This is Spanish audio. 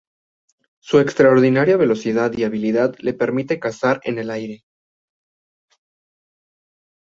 Su extraordinaria velocidad y habilidad le permiten cazar en el aire.